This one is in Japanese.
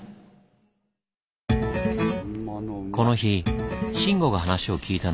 この日慎吾が話を聞いたのは。